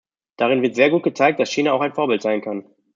Darin wird sehr gut gezeigt, dass China auch Vorbild sein kann.